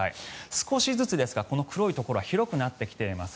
少しずつですが黒いところは広くなってきています。